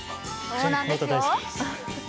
そうなんです。